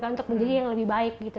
untuk menjadi yang lebih baik gitu